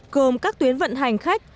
gồm các tuyến vận hành khách